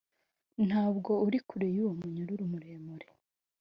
ntabwo uri kure yuwo munyururu muremure